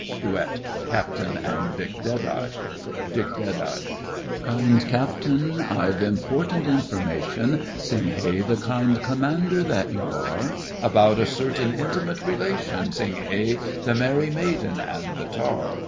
DUET CAPTAIN and DICK DEADEYE DICK. Kind Captain, I've important information, Sing hey, the kind commander that you are, About a certain intimate relation, Sing hey, the merry maiden and the tar.